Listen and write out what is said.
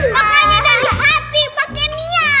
makanya dari hati pakai niat